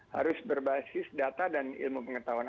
harus berbasis data dan ilmu pengetahuan